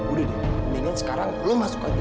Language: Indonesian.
udah deh mendingan sekarang lo masuk aja